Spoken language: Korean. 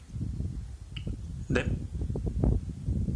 넵.